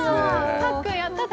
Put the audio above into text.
パックンやった！